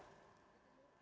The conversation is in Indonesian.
kebebasan orang berpendapat